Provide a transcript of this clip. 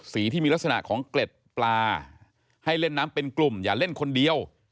ที่มีลักษณะของเกล็ดปลาให้เล่นน้ำเป็นกลุ่มอย่าเล่นคนเดียว